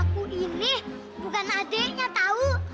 aku ini bukan adiknya tahu